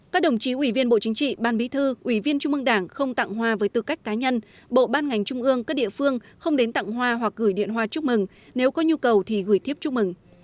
các đồng chí ủy viên bộ chính trị ban bí thư ủy viên trung ương đảng không tặng hoa với tư cách cá nhân bộ ban ngành trung ương các địa phương không đến tặng hoa hoặc gửi điện hoa chúc mừng nếu có nhu cầu thì gửi tiếp chúc mừng